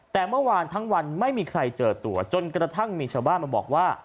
แต่เมื่อวานทั้งวันไม่มีใครเจอตัวจนกระทั่งมีชาวบ้านมาบอกว่า